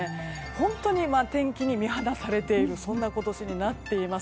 本当に天気に見放されているそんな今年になっています。